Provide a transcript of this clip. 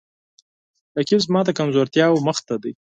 رقیب زما د کمزورتیاو مخ ته دی